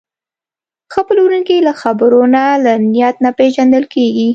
ښه پلورونکی له خبرو نه، له نیت نه پېژندل کېږي.